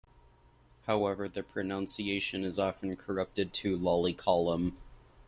However, the pronunciation is often corrupted to "lolly column".